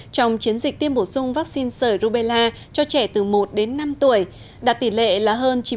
trong chiến dịch tiêm bổ sung vaccine sởi rubella cho trẻ từ một đến năm tuổi đạt tỷ lệ là hơn chín mươi